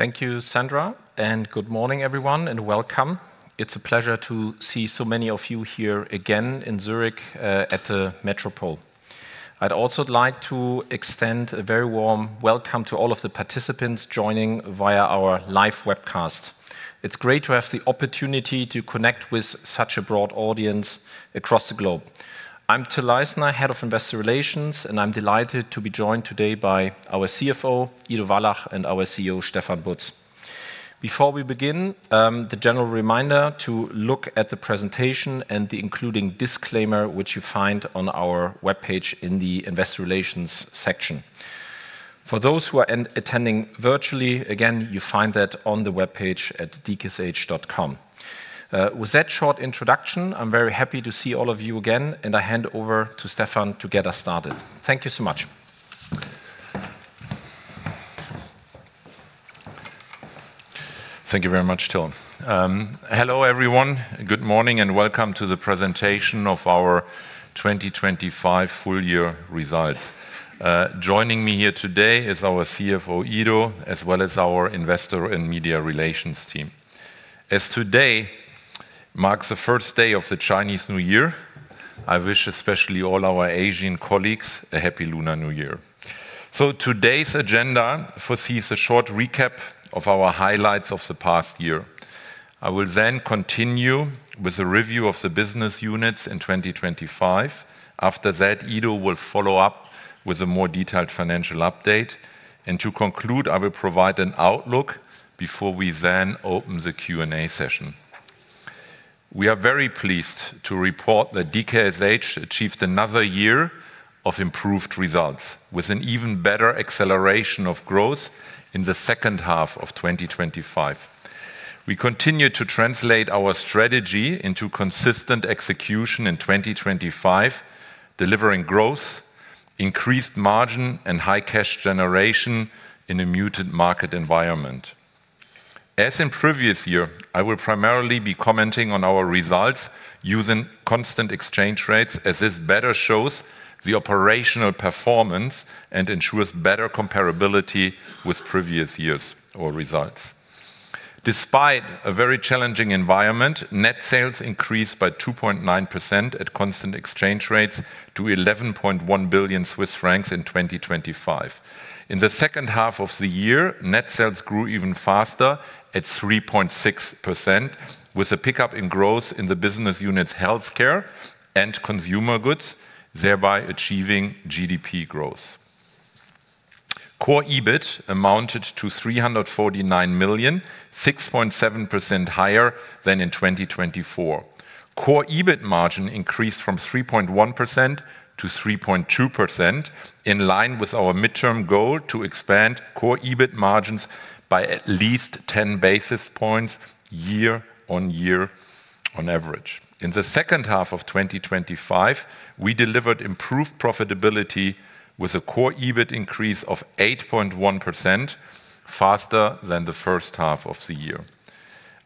Thank you, Sandra, and good morning, everyone, and welcome. It's a pleasure to see so many of you here again in Zurich at the Metropol. I'd also like to extend a very warm welcome to all of the participants joining via our live webcast. It's great to have the opportunity to connect with such a broad audience across the globe. I'm Till Leisner, Head of Investor Relations, and I'm delighted to be joined today by our CFO, Ido Wallach, and our CEO, Stefan Butz. Before we begin, the general reminder to look at the presentation and the including disclaimer, which you find on our webpage in the Investor Relations section. For those who are attending virtually, again, you find that on the webpage at dksh.com. With that short introduction, I'm very happy to see all of you again, and I hand over to Stefan to get us started. Thank you so much. Thank you very much, Till. Hello, everyone. Good morning, and welcome to the presentation of our 2025 full year results. Joining me here today is our CFO, Ido, as well as our Investor and Media Relations team. As today marks the first day of the Chinese New Year, I wish especially all our Asian colleagues a happy Lunar New Year. Today's agenda foresees a short recap of our highlights of the past year. I will then continue with a review of the business units in 2025. After that, Ido will follow up with a more detailed financial update, and to conclude, I will provide an outlook before we then open the Q&A session. We are very pleased to report that DKSH achieved another year of improved results, with an even better acceleration of growth in the second half of 2025. We continued to translate our strategy into consistent execution in 2025, delivering growth, increased margin, and high cash generation in a muted market environment. As in previous year, I will primarily be commenting on our results using constant exchange rates, as this better shows the operational performance and ensures better comparability with previous years or results. Despite a very challenging environment, net sales increased by 2.9% at constant exchange rates to 11.1 billion Swiss francs in 2025. In the second half of the year, net sales grew even faster at 3.6%, with a pickup in growth in the Business Units Healthcare and Consumer Goods, thereby achieving GDP growth. Core EBIT amounted to 349 million, 6.7% higher than in 2024. Core EBIT margin increased from 3.1% to 3.2%, in line with our midterm goal to expand Core EBIT margins by at least 10 basis points year-on-year on average. In the second half of 2025, we delivered improved profitability with a Core EBIT increase of 8.1%, faster than the first half of the year.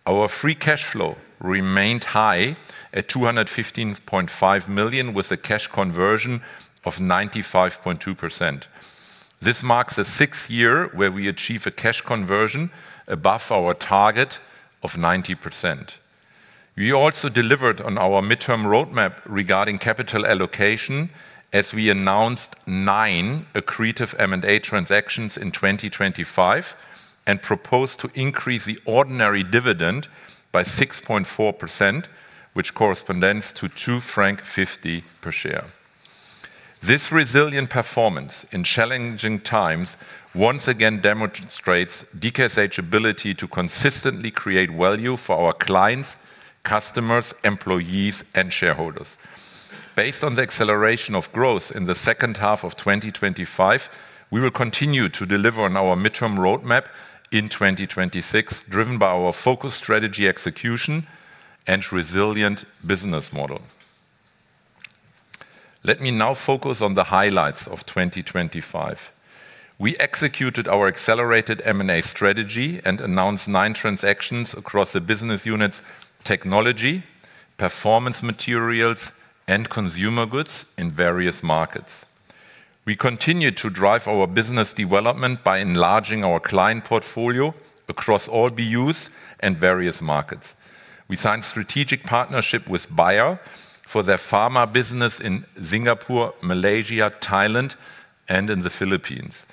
Our free cash flow remained high at 215.5 million, with a cash conversion of 95.2%. This marks the sixth year where we achieve a cash conversion above our target of 90%. We also delivered on our midterm roadmap regarding capital allocation, as we announced 9 accretive M&A transactions in 2025, and proposed to increase the ordinary dividend by 6.4%, which corresponds to 2.50 francs per share. This resilient performance in challenging times once again demonstrates DKSH's ability to consistently create value for our clients, customers, employees, and shareholders. Based on the acceleration of growth in the second half of 2025, we will continue to deliver on our midterm roadmap in 2026, driven by our focused strategy execution and resilient business model. Let me now focus on the highlights of 2025. We executed our accelerated M&A strategy and announced nine transactions across the business units: Technology, Performance Materials, and Consumer Goods in various markets. We continued to drive our business development by enlarging our client portfolio across all BUs and various markets. We signed strategic partnership with Bayer for their pharma business in Singapore, Malaysia, Thailand, and in the Philippines.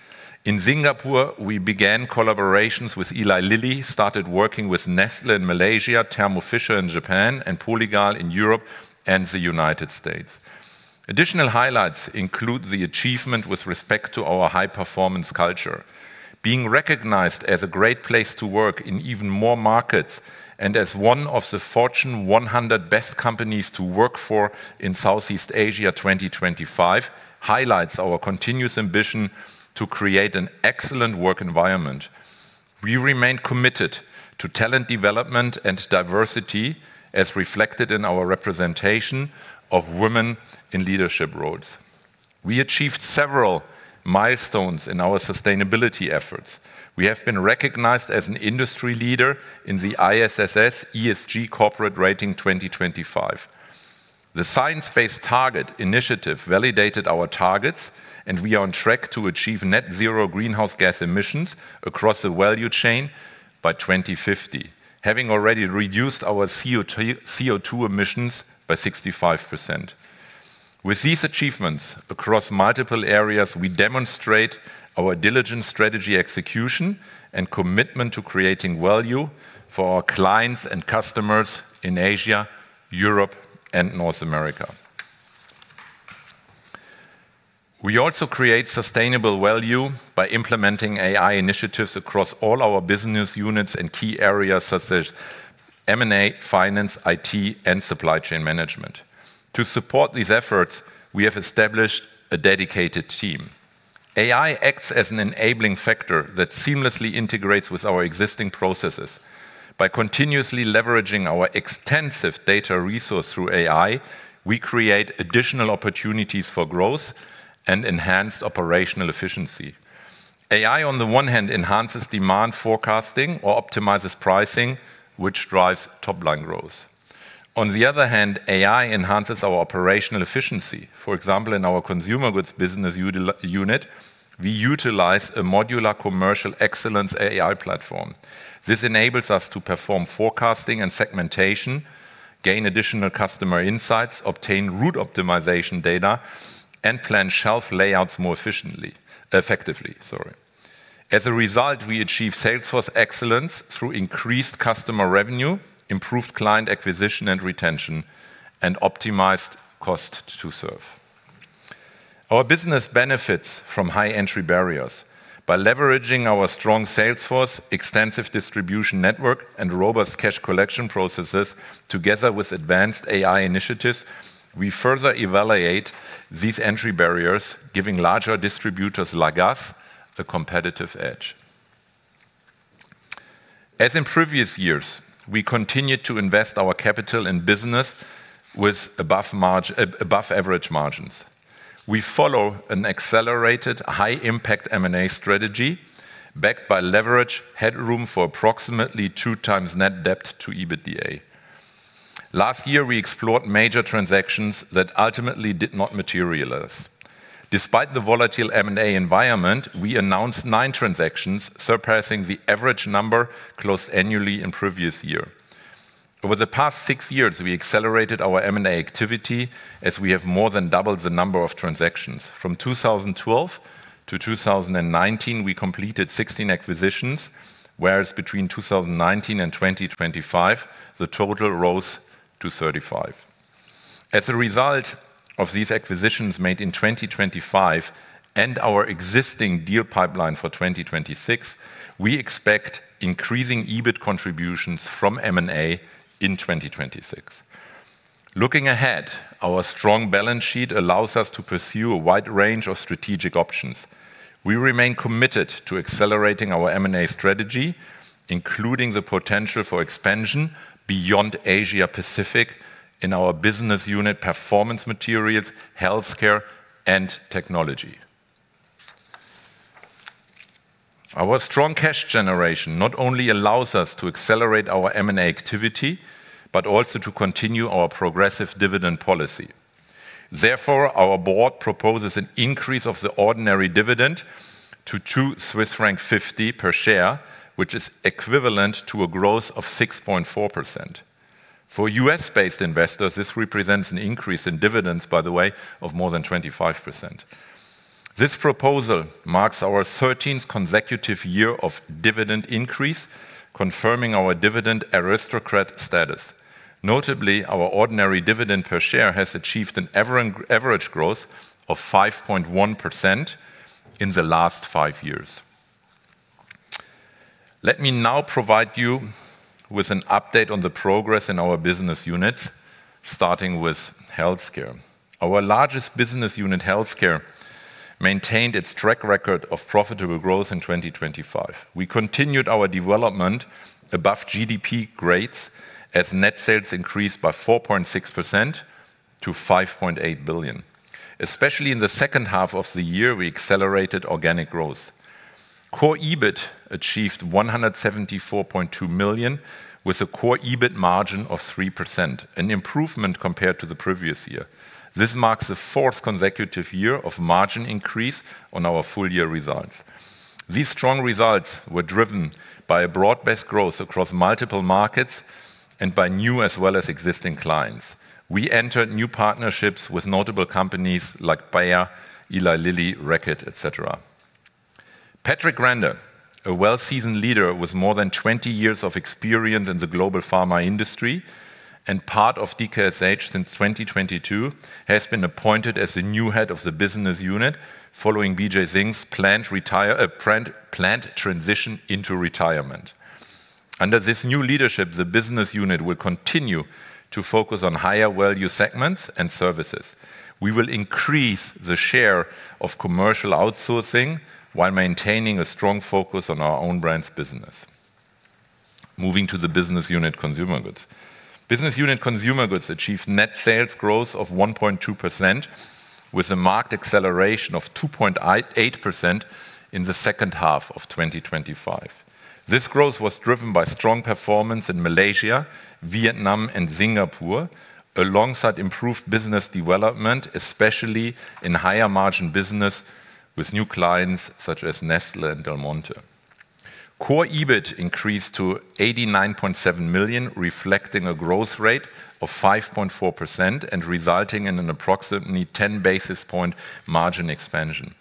In Singapore, we began collaborations with Eli Lilly, started working with Nestlé in Malaysia, Thermo Fisher in Japan, and Polygal in Europe and the United States. Additional highlights include the achievement with respect to our high-performance culture. Being recognized as a Great Place to Work in even more markets and as one of the Fortune 100 Best Companies to Work For in Southeast Asia 2025 highlights our continuous ambition to create an excellent work environment. We remain committed to talent development and diversity, as reflected in our representation of women in leadership roles. We achieved several milestones in our sustainability efforts. We have been recognized as an industry leader in the ISS ESG Corporate Rating 2025. The Science Based Targets initiative validated our targets, and we are on track to achieve net zero greenhouse gas emissions across the value chain by 2050, having already reduced our CO2 emissions by 65%. With these achievements across multiple areas, we demonstrate our diligent strategy execution and commitment to creating value for our clients and customers in Asia, Europe, and North America. We also create sustainable value by implementing AI initiatives across all our business units and key areas, such as M&A, finance, IT, and supply chain management. To support these efforts, we have established a dedicated team. AI acts as an enabling factor that seamlessly integrates with our existing processes. By continuously leveraging our extensive data resource through AI, we create additional opportunities for growth and enhanced operational efficiency. AI, on the one hand, enhances demand forecasting or optimizes pricing, which drives top-line growth. On the other hand, AI enhances our operational efficiency. For example, in our Consumer Goods business unit, we utilize a modular commercial excellence AI platform. This enables us to perform forecasting and segmentation, gain additional customer insights, obtain route optimization data, and plan shelf layouts more effectively. As a result, we achieve salesforce excellence through increased customer revenue, improved client acquisition and retention, and optimized cost to serve. Our business benefits from high entry barriers. By leveraging our strong salesforce, extensive distribution network, and robust cash collection processes, together with advanced AI initiatives, we further evaluate these entry barriers, giving larger distributors like us a competitive edge. As in previous years, we continue to invest our capital in business with above average margins. We follow an accelerated, high-impact M&A strategy, backed by leverage headroom for approximately two times net debt to EBITDA. Last year, we explored major transactions that ultimately did not materialize. Despite the volatile M&A environment, we announced nine transactions, surpassing the average number closed annually in previous year. Over the past six years, we accelerated our M&A activity, as we have more than doubled the number of transactions. From 2012 to 2019, we completed 16 acquisitions, whereas between 2019 and 2025, the total rose to 35. As a result of these acquisitions made in 2025 and our existing deal pipeline for 2026, we expect increasing EBIT contributions from M&A in 2026. Looking ahead, our strong balance sheet allows us to pursue a wide range of strategic options. We remain committed to accelerating our M&A strategy, including the potential for expansion beyond Asia Pacific in our Business Unit Performance Materials, Healthcare, and Technology. Our strong cash generation not only allows us to accelerate our M&A activity, but also to continue our progressive dividend policy. Therefore, our Board proposes an increase of the ordinary dividend to 2.50 Swiss franc per share, which is equivalent to a growth of 6.4%. For U.S.-based investors, this represents an increase in dividends, by the way, of more than 25%. This proposal marks our thirteenth consecutive year of dividend increase, confirming our dividend aristocrat status. Notably, our ordinary dividend per share has achieved an average growth of 5.1% in the last five years. Let me now provide you with an update on the progress in our business units, starting with Healthcare. Our largest Business Unit Healthcare, maintained its track record of profitable growth in 2025. We continued our development above GDP rates, as net sales increased by 4.6% to 5.8 billion. Especially in the second half of the year, we accelerated organic growth. Core EBIT achieved 174.2 million, with a Core EBIT margin of 3%, an improvement compared to the previous year. This marks the fourth consecutive year of margin increase on our full-year results. These strong results were driven by a broad-based growth across multiple markets and by new as well as existing clients. We entered new partnerships with notable companies like Bayer, Eli Lilly, Reckitt, et cetera. Patrick Grand, a well-seasoned leader with more than 20 years of experience in the global pharma industry and part of DKSH since 2022, has been appointed as the new head of the business unit, following Bijay Singh's planned transition into retirement. Under this new leadership, the business unit will continue to focus on higher value segments and services. We will increase the share of commercial outsourcing while maintaining a strong focus on our Own Brands business. Moving to the Business Unit Consumer Goods. Business unit Consumer Goods achieved net sales growth of 1.2% with a marked acceleration of 2.8% in the second half of 2025. This growth was driven by strong performance in Malaysia, Vietnam, and Singapore, alongside improved business development, especially in higher-margin business with new clients such as Nestlé and Del Monte. Core EBIT increased to 89.7 million, reflecting a growth rate of 5.4% and resulting in an approximately ten basis point margin expansion.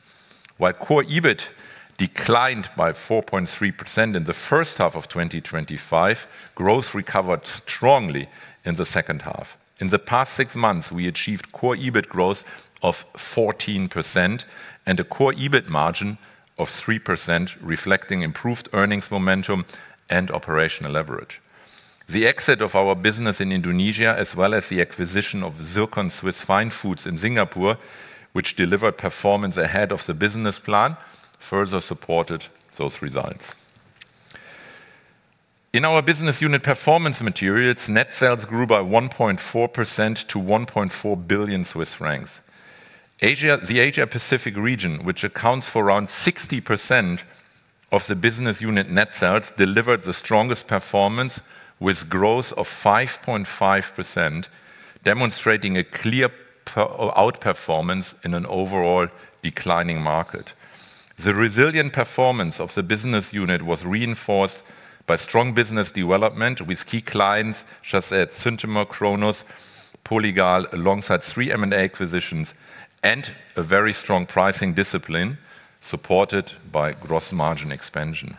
While Core EBIT declined by 4.3% in the first half of 2025, growth recovered strongly in the second half. In the past six months, we achieved Core EBIT growth of 14% and a Core EBIT margin of 3%, reflecting improved earnings momentum and operational leverage. The exit of our business in Indonesia, as well as the acquisition of Zircon Swiss Fine Foods in Singapore, which delivered performance ahead of the business plan, further supported those results. In our Business Unit Performance Materials, net sales grew by 1.4% to 1.4 billion Swiss francs. Asia Pacific region, which accounts for around 60% of the business unit net sales, delivered the strongest performance with growth of 5.5%, demonstrating a clear outperformance in an overall declining market. The resilient performance of the business unit was reinforced by strong business development with key clients such as Synthomer, Kronos, Polygal, alongside three M&A acquisitions, and a very strong pricing discipline, supported by gross margin expansion.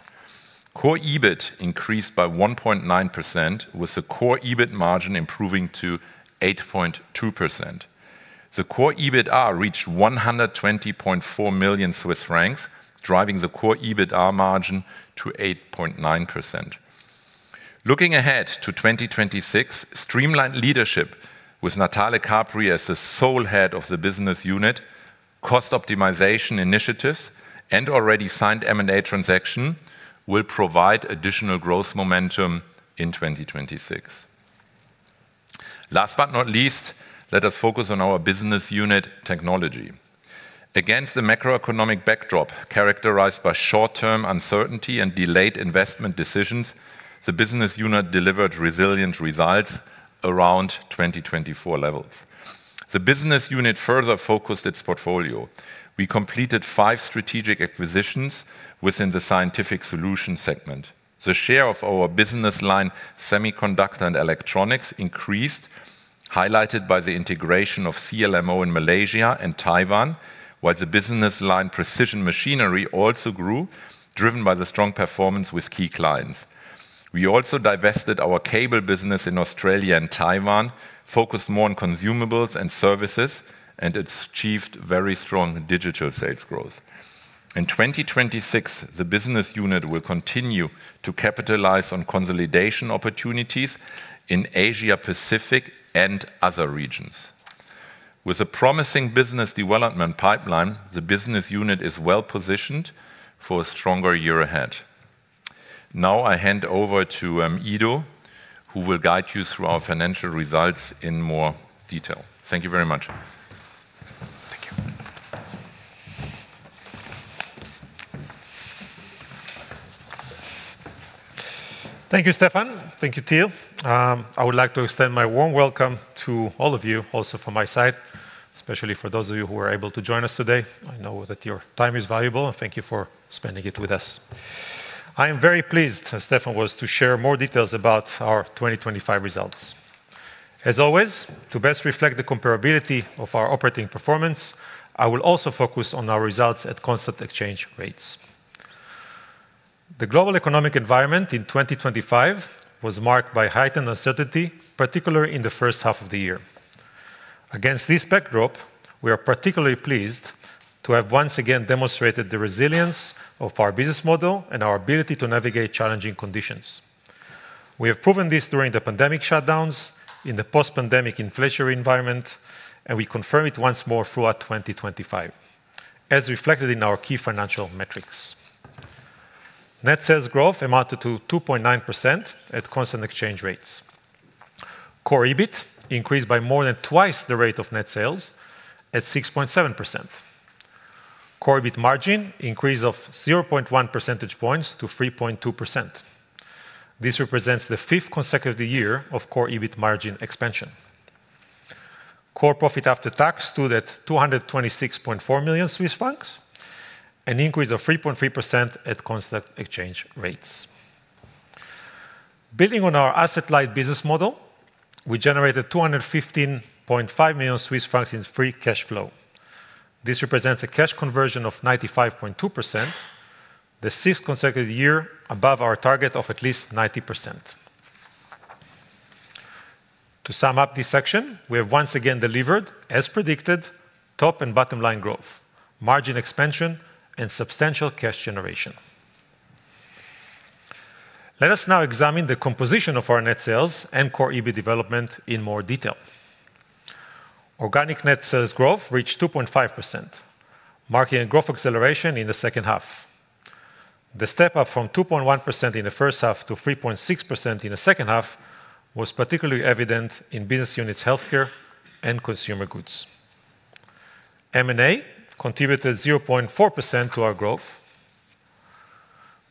Core EBIT increased by 1.9%, with the Core EBIT margin improving to 8.2%. The Core EBITDA reached 120.4 million Swiss francs, driving the Core EBITDA margin to 8.9%. Looking ahead to 2026, streamlined leadership with Natale Capri as the sole head of the business unit, cost optimization initiatives, and already signed M&A transaction will provide additional growth momentum in 2026. Last but not least, let us focus on our Business Unit Technology. Against the macroeconomic backdrop, characterized by short-term uncertainty and delayed investment decisions, the business unit delivered resilient results around 2024 levels. The business unit further focused its portfolio. We completed five strategic acquisitions within the Scientific Solutions segment. The share of our business line, Semiconductor and Electronics, increased, highlighted by the integration of CLMO in Malaysia and Taiwan, while the business line, Precision Machinery, also grew, driven by the strong performance with key clients. We also divested our cable business in Australia and Taiwan, focused more on consumables and services, and it's achieved very strong digital sales growth. In 2026, the business unit will continue to capitalize on consolidation opportunities in Asia Pacific and other regions. With a promising business development pipeline, the business unit is well-positioned for a stronger year ahead. Now, I hand over to Ido, who will guide you through our financial results in more detail. Thank you very much. Thank you. Thank you, Stefan. Thank you, Till. I would like to extend my warm welcome to all of you, also from my side, especially for those of you who are able to join us today. I know that your time is valuable, and thank you for spending it with us. I am very pleased, as Stefan was, to share more details about our 2025 results. As always, to best reflect the comparability of our operating performance, I will also focus on our results at constant exchange rates. The global economic environment in 2025 was marked by heightened uncertainty, particularly in the first half of the year. Against this backdrop, we are particularly pleased to have once again demonstrated the resilience of our business model and our ability to navigate challenging conditions. We have proven this during the pandemic shutdowns, in the post-pandemic inflationary environment, and we confirm it once more throughout 2025, as reflected in our key financial metrics. Net sales growth amounted to 2.9% at constant exchange rates. Core EBIT increased by more than twice the rate of net sales at 6.7%. Core EBIT margin increase of 0.1 percentage points to 3.2%. This represents the fifth consecutive year of Core EBIT margin expansion. Core profit after tax stood at 226.4 million Swiss francs, an increase of 3.3% at constant exchange rates. Building on our asset-light business model, we generated 215.5 million Swiss francs in free cash flow. This represents a cash conversion of 95.2%, the sixth consecutive year above our target of at least 90%. To sum up this section, we have once again delivered, as predicted, top and bottom line growth, margin expansion, and substantial cash generation. Let us now examine the composition of our net sales and Core EBIT development in more detail. Organic net sales growth reached 2.5%, marking a growth acceleration in the second half. The step up from 2.1% in the first half to 3.6% in the second half was particularly evident in Business Units Healthcare and Consumer Goods. M&A contributed 0.4% to our growth.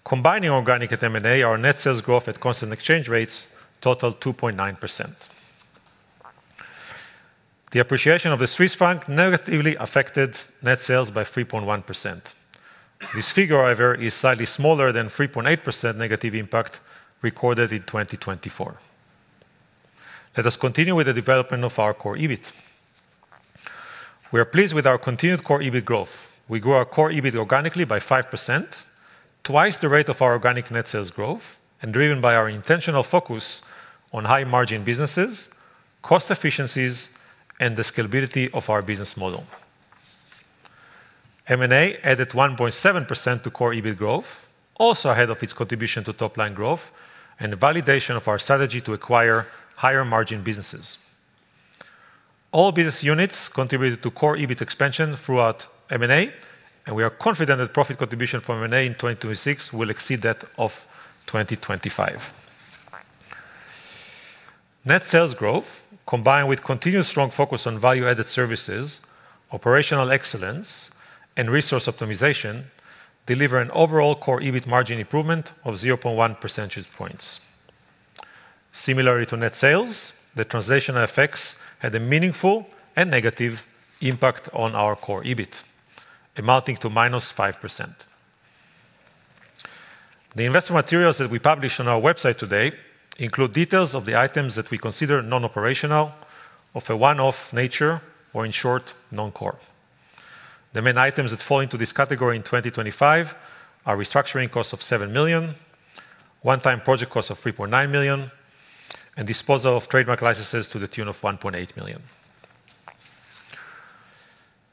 Combining organic and M&A, our net sales growth at constant exchange rates totaled 2.9%. The appreciation of the Swiss franc negatively affected net sales by 3.1%. This figure, however, is slightly smaller than 3.8% negative impact recorded in 2024. Let us continue with the development of our Core EBIT. We are pleased with our continued Core EBIT growth. We grew our Core EBIT organically by 5%, twice the rate of our organic net sales growth, and driven by our intentional focus on high-margin businesses, cost efficiencies, and the scalability of our business model. M&A added 1.7% to Core EBIT growth, also ahead of its contribution to top-line growth and validation of our strategy to acquire higher-margin businesses. All business units contributed to Core EBIT expansion throughout M&A, and we are confident that profit contribution from M&A in 2026 will exceed that of 2025. Net sales growth, combined with continuous strong focus on value-added services, operational excellence, and resource optimization, deliver an overall Core EBIT margin improvement of 0.1 percentage points. Similarly to net sales, the transitional effects had a meaningful and negative impact on our Core EBIT, amounting to -5%. The investor materials that we published on our website today include details of the items that we consider non-operational, of a one-off nature, or in short, non-core. The main items that fall into this category in 2025 are restructuring costs of 7 million, one-time project costs of 3.9 million, and disposal of trademark licenses to the tune of 1.8 million.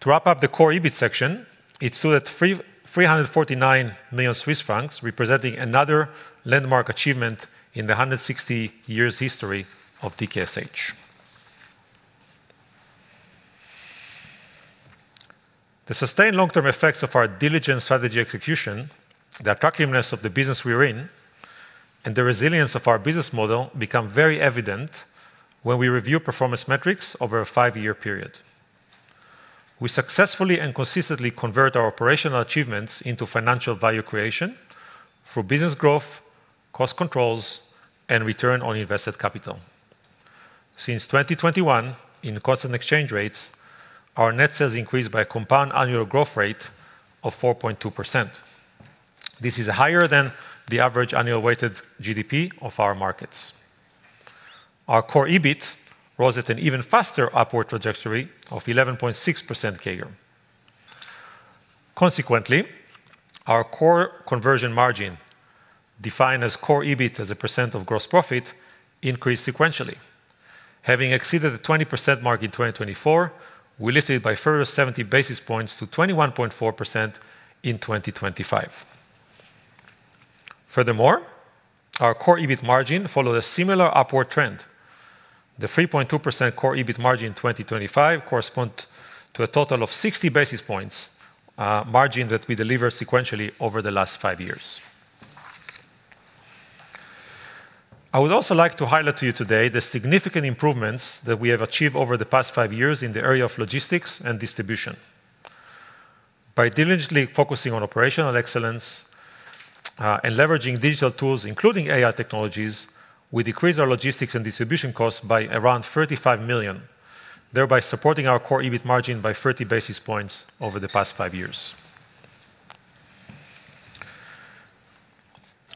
To wrap up the Core EBIT section, it stood at 349 million Swiss francs, representing another landmark achievement in the 160 years history of DKSH. The sustained long-term effects of our diligent strategy execution, the attractiveness of the business we are in, and the resilience of our business model become very evident when we review performance metrics over a 5-year period. We successfully and consistently convert our operational achievements into financial value creation through business growth, cost controls, and return on invested capital. Since 2021, in constant exchange rates, our net sales increased by a compound annual growth rate of 4.2%. This is higher than the average annual weighted GDP of our markets. Our Core EBIT rose at an even faster upward trajectory of 11.6% CAGR. Consequently, our core conversion margin, defined as Core EBIT as a percent of gross profit, increased sequentially. Having exceeded the 20% mark in 2024, we lifted it by further 70 basis points to 21.4% in 2025. Furthermore, our Core EBIT margin followed a similar upward trend. The 3.2% Core EBIT margin in 2025 correspond to a total of 60 basis points, margin that we delivered sequentially over the last five years. I would also like to highlight to you today the significant improvements that we have achieved over the past five years in the area of logistics and distribution. By diligently focusing on operational excellence, and leveraging digital tools, including AI technologies, we decreased our logistics and distribution costs by around 35 million, thereby supporting our Core EBIT margin by 30 basis points over the past five years.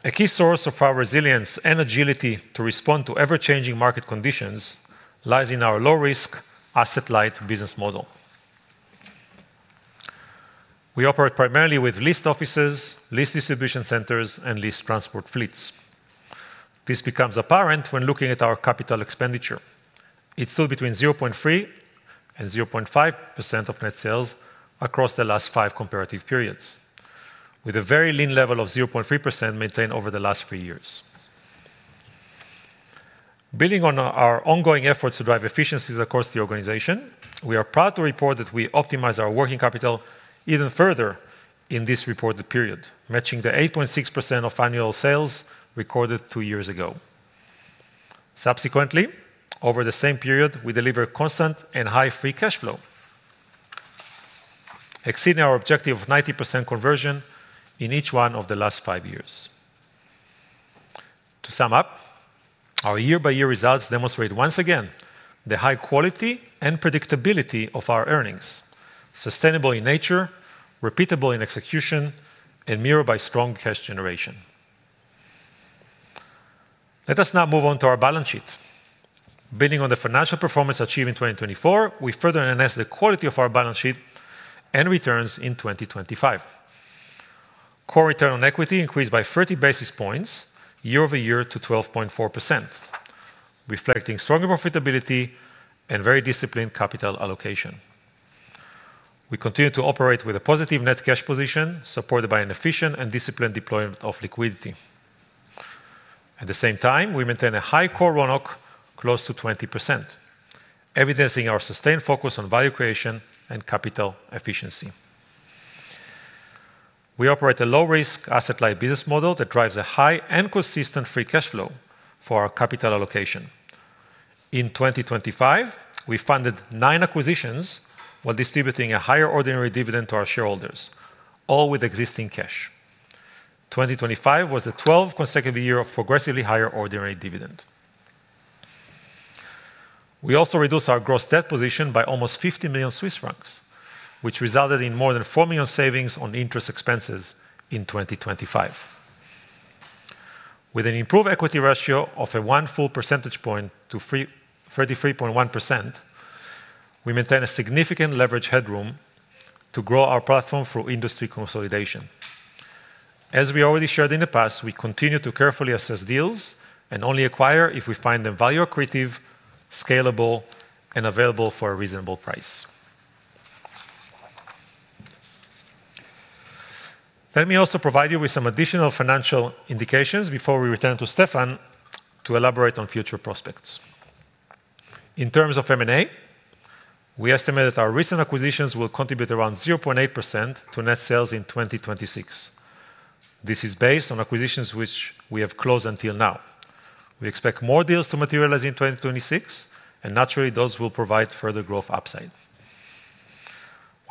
A key source of our resilience and agility to respond to ever-changing market conditions lies in our low-risk, asset-light business model. We operate primarily with leased offices, leased distribution centers, and leased transport fleets. This becomes apparent when looking at our capital expenditure. It stood between 0.3% and 0.5% of net sales across the last five comparative periods, with a very lean level of 0.3% maintained over the last three years. Building on our ongoing efforts to drive efficiencies across the organization, we are proud to report that we optimized our working capital even further in this reported period, matching the 8.6% of annual sales recorded two years ago. Subsequently, over the same period, we delivered constant and high free cash flow, exceeding our objective of 90% conversion in each one of the last five years. To sum up, our year-by-year results demonstrate once again the high quality and predictability of our earnings, sustainable in nature, repeatable in execution, and mirrored by strong cash generation. Let us now move on to our balance sheet. Building on the financial performance achieved in 2024, we further enhanced the quality of our balance sheet and returns in 2025. Core return on equity increased by 30 basis points year-over-year to 12.4%, reflecting stronger profitability and very disciplined capital allocation. We continue to operate with a positive net cash position, supported by an efficient and disciplined deployment of liquidity. At the same time, we maintain a high core ROE close to 20%, evidencing our sustained focus on value creation and capital efficiency. We operate a low-risk, asset-light business model that drives a high and consistent free cash flow for our capital allocation. In 2025, we funded 9 acquisitions while distributing a higher ordinary dividend to our shareholders, all with existing cash. 2025 was the 12 consecutive year of progressively higher ordinary dividend. We also reduced our gross debt position by almost 50 million Swiss francs, which resulted in more than 4 million savings on interest expenses in 2025. With an improved equity ratio of a one full percentage point to 33.1%, we maintain a significant leverage headroom to grow our platform through industry consolidation. As we already shared in the past, we continue to carefully assess deals and only acquire if we find them value accretive, scalable, and available for a reasonable price. Let me also provide you with some additional financial indications before we return to Stefan to elaborate on future prospects. In terms of M&A, we estimate that our recent acquisitions will contribute around 0.8% to net sales in 2026. This is based on acquisitions which we have closed until now. We expect more deals to materialize in 2026, and naturally, those will provide further growth upside.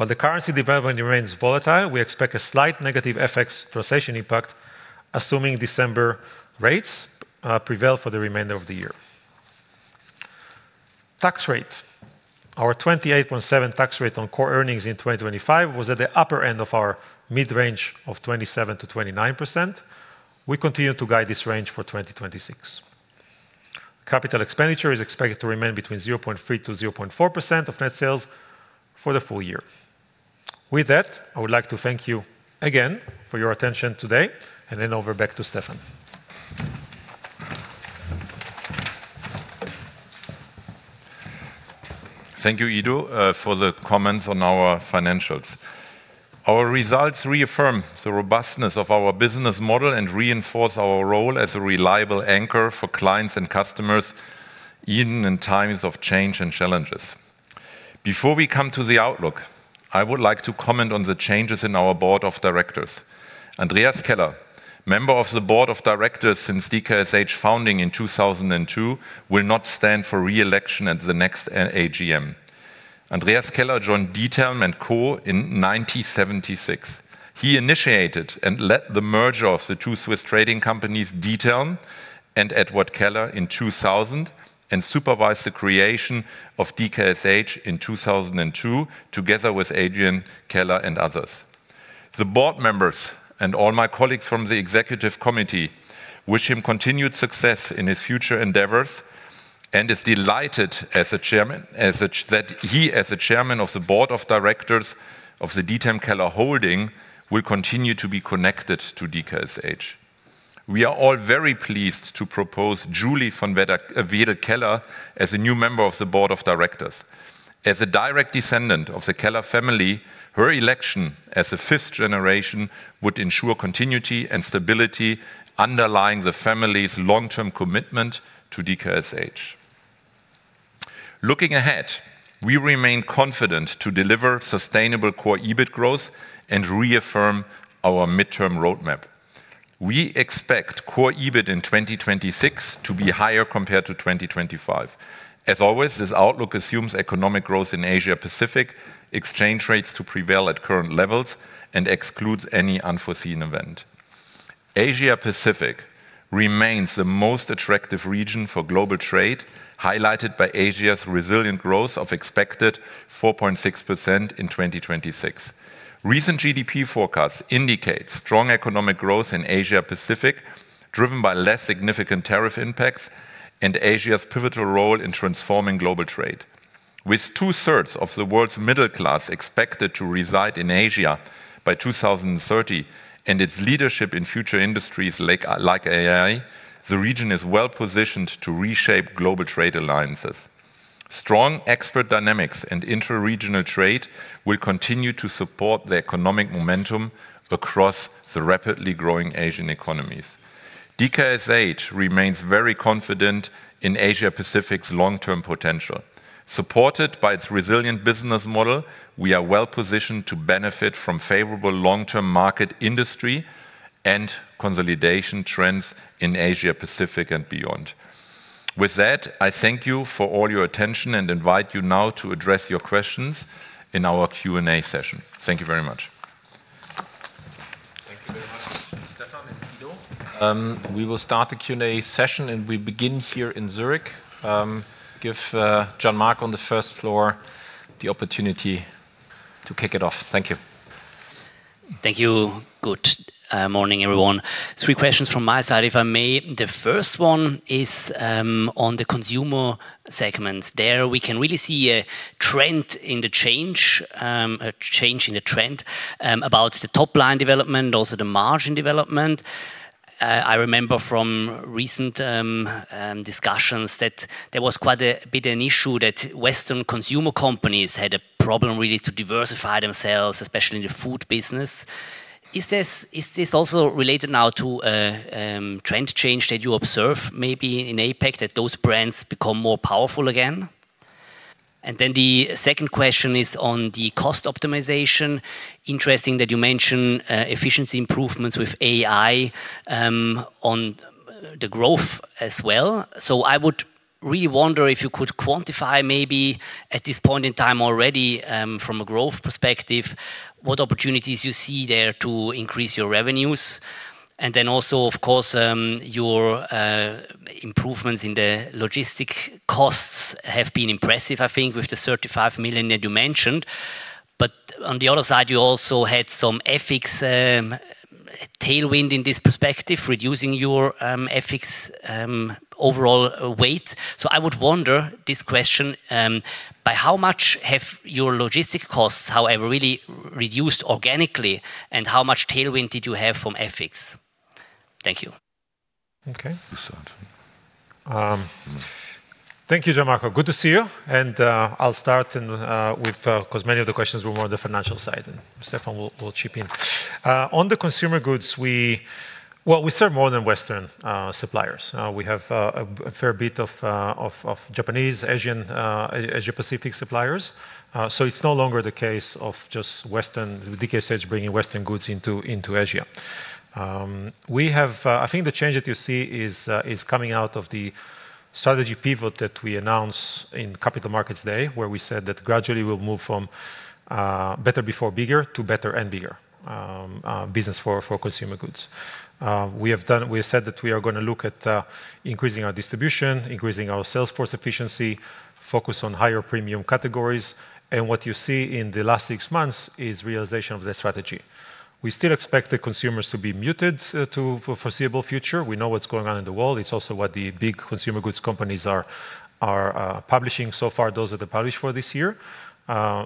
While the currency development remains volatile, we expect a slight negative FX translation impact, assuming December rates prevail for the remainder of the year. Tax rate. Our 28.7% tax rate on core earnings in 2025 was at the upper end of our mid-range of 27%-29%. We continue to guide this range for 2026. Capital expenditure is expected to remain between 0.3%-0.4% of net sales for the full year. With that, I would like to thank you again for your attention today, and hand over back to Stefan. Thank you, Ido, for the comments on our financials. Our results reaffirm the robustness of our business model and reinforce our role as a reliable anchor for clients and customers, even in times of change and challenges. Before we come to the outlook, I would like to comment on the changes in our Board of Directors. Andreas Keller, member of the Board of Directors since DKSH founding in 2002, will not stand for re-election at the next AGM. Andreas Keller joined Diethelm & Co. in 1976. He initiated and led the merger of the two Swiss trading companies, Diethelm and Eduard Keller, in 2000, and supervised the creation of DKSH in 2002, together with Adrian Keller and others. The Board members and all my colleagues from the Executive Committee wish him continued success in his future endeavors and is delighted as the Chairman, as such, that he, as the Chairman of the Board of Directors of the Diethelm Keller Holding, will continue to be connected to DKSH. We are all very pleased to propose Julie von Wedel Keller as a new member of the Board of Directors. As a direct descendant of the Keller family, her election as a fifth generation would ensure continuity and stability, underlying the family's long-term commitment to DKSH. Looking ahead, we remain confident to deliver sustainable Core EBIT growth and reaffirm our midterm roadmap. We expect Core EBIT in 2026 to be higher compared to 2025. As always, this outlook assumes economic growth in Asia Pacific, exchange rates to prevail at current levels, and excludes any unforeseen event. Asia Pacific remains the most attractive region for global trade, highlighted by Asia's resilient growth of expected 4.6% in 2026. Recent GDP forecasts indicate strong economic growth in Asia Pacific, driven by less significant tariff impacts and Asia's pivotal role in transforming global trade. With two-thirds of the world's middle class expected to reside in Asia by 2030, and its leadership in future industries like, like AI, the region is well-positioned to reshape global trade alliances. Strong expert dynamics and intra-regional trade will continue to support the economic momentum across the rapidly growing Asian economies. DKSH remains very confident in Asia Pacific's long-term potential. Supported by its resilient business model, we are well-positioned to benefit from favorable long-term market industry and consolidation trends in Asia Pacific and beyond. With that, I thank you for all your attention and invite you now to address your questions in our Q&A session. Thank you very much. Thank you very much, Stefan and Ido. We will start the Q&A session, and we begin here in Zurich. Give Gian Marco on the first floor the opportunity to kick it off. Thank you. Thank you. Good morning, everyone. Three questions from my side, if I may. The first one is on the Consumer segments. There, we can really see a trend in the change, a change in the trend, about the top-line development, also the margin development. I remember from recent discussions that there was quite a bit an issue that Western consumer companies had a problem really to diversify themselves, especially in the food business. Is this, is this also related now to a trend change that you observe, maybe in APAC, that those brands become more powerful again?... And then the second question is on the cost optimization. Interesting that you mention efficiency improvements with AI on the growth as well. So I would really wonder if you could quantify maybe at this point in time already, from a growth perspective, what opportunities you see there to increase your revenues? And then also, of course, your improvements in the logistics costs have been impressive, I think, with the 35 million that you mentioned. But on the other side, you also had some exit tailwind in this perspective, reducing your exit overall weight. So I would wonder this question, by how much have your logistics costs, however, really reduced organically, and how much tailwind did you have from exit? Thank you. Okay. You start. Thank you, Gian Marco. Good to see you. I'll start with 'cause many of the questions were more on the financial side, and Stefan will chip in. On the Consumer Goods, Well, we serve more than Western suppliers. We have a fair bit of Japanese, Asian, Asia Pacific suppliers. So it's no longer the case of just Western DKSH bringing Western goods into Asia. We have... I think the change that you see is coming out of the strategy pivot that we announced in Capital Markets Day, where we said that gradually we'll move from better before bigger to better and bigger business for Consumer Goods. We have said that we are gonna look at increasing our distribution, increasing our sales force efficiency, focus on higher premium categories, and what you see in the last six months is realization of the strategy. We still expect the consumers to be muted to for foreseeable future. We know what's going on in the world. It's also what the big Consumer Goods companies are publishing so far, those that are published for this year.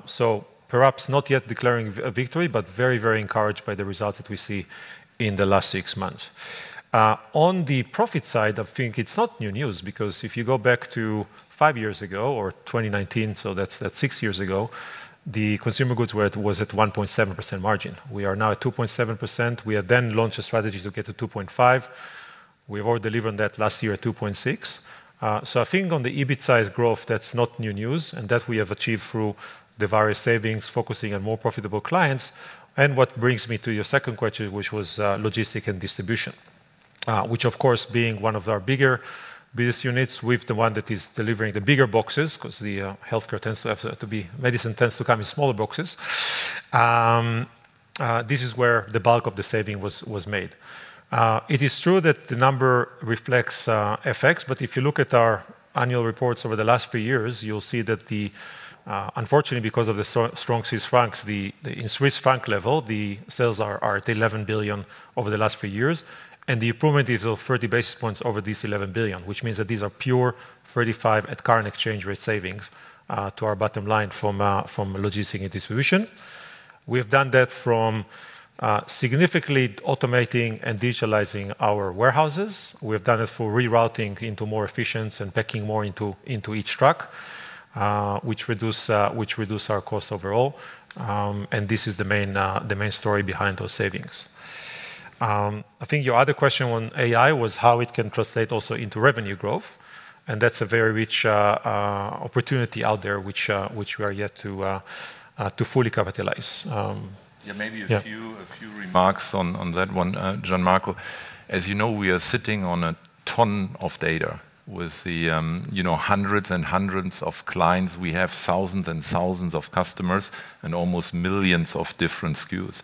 So perhaps not yet declaring a victory, but very, very encouraged by the results that we see in the last six months. On the profit side, I think it's not new news because if you go back to five years ago or 2019, so that's six years ago, the Consumer Goods were at, was at 1.7% margin. We are now at 2.7%. We had then launched a strategy to get to 2.5. We've already delivered on that last year at 2.6. So I think on the EBIT size growth, that's not new news, and that we have achieved through the various savings, focusing on more profitable clients. And what brings me to your second question, which was logistics and distribution, which of course, being one of our bigger business units, with the one that is delivering the bigger boxes, 'cause the Healthcare tends to have to be... Medicine tends to come in smaller boxes. This is where the bulk of the saving was made. It is true that the number reflects effects, but if you look at our annual reports over the last few years, you'll see that the unfortunately, because of the so strong Swiss francs, the in Swiss franc level, the sales are at 11 billion over the last few years, and the improvement is of 30 basis points over this 11 billion, which means that these are pure 35 at current exchange rate savings to our bottom line from logistics and distribution. We have done that from significantly automating and digitalizing our warehouses. We have done it for rerouting into more efficient and packing more into each truck, which reduce our cost overall. And this is the main story behind those savings. I think your other question on AI was how it can translate also into revenue growth, and that's a very rich opportunity out there, which we are yet to fully capitalize. Yeah, maybe a few- Yeah. A few remarks on that one, Gian Marco. As you know, we are sitting on a ton of data with the, you know, hundreds and hundreds of clients. We have thousands and thousands of customers and almost millions of different SKUs.